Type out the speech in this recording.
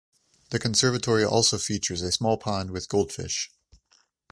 The conservatory also features a small pond with goldfish.